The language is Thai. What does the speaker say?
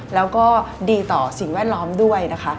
แล้วก็ดีต่อสิ่งแวดล้อมด้วยนะคะ